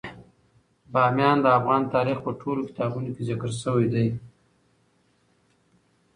بامیان د افغان تاریخ په ټولو کتابونو کې ذکر شوی دی.